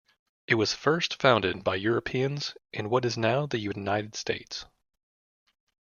It was the first founded by Europeans in what is now the United States.